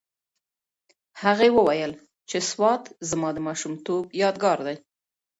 هغې وویل چې سوات زما د ماشومتوب یادګار دی.